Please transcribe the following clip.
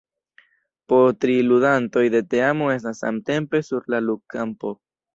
Po tri ludantoj de teamo estas samtempe sur la ludkampo.